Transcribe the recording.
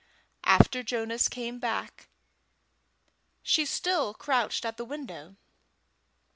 After Jonas came back she still crouched at the window.